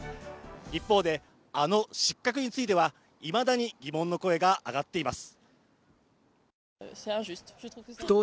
一方で、あの失格についてはいまだに疑問の声が上がっています。